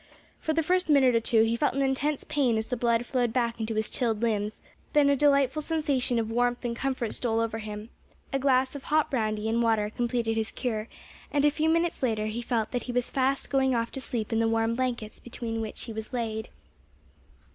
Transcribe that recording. For the first minute or two he felt an intense pain as the blood flowed back into his chilled limbs, then a delightful sensation of warmth and comfort stole over him; a glass of hot brandy and water completed his cure, and a few minutes later he felt that he was fast going off to sleep in the warm blankets between which he was laid.